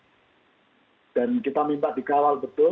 tapi kita bersyukur dan kita minta dikawal betul